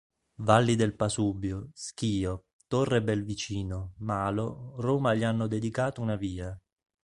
Valli del Pasubio, Schio, Torrebelvicino, Malo, Roma gli hanno dedicato una via.